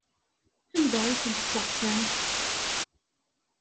Anda ay tent-tesseɣtamt?